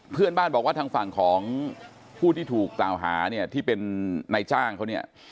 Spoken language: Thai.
เพื่อนบ้านบอกว่าทางฝั่งของผู้ที่ถูกกล่าวหาเนี่ยที่เป็นนายจ้างเขาเนี่ย